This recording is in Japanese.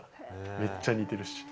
めっちゃ似てるし。